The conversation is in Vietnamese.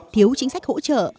thiếu chính sách hỗ trợ